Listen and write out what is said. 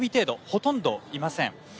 ほとんど、いません。